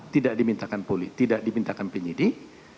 tidak dimintakan penyidik